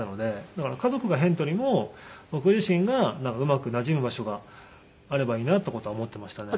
だから家族が変っていうよりも僕自身がうまくなじむ場所があればいいなっていう事は思ってましたね。